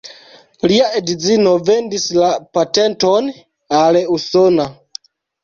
Lia edzino vendis la patenton al usona.